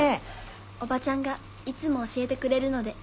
おばちゃんがいつも教えてくれるので。